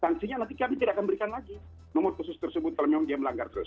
sanksinya nanti kami tidak akan berikan lagi nomor khusus tersebut kalau memang dia melanggar terus